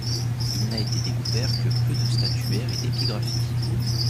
Il n'a été découvert que peu de statuaire et d'épigraphie.